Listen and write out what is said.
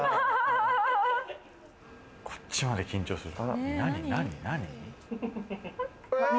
こっちまで緊張する。